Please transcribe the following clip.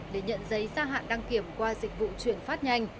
để nhận giấy gia hạn đăng kiểm qua dịch vụ chuyển phát nhanh